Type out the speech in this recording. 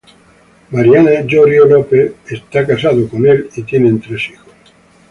Está casado con Mariana Yorio López, con quien tiene tres hijos.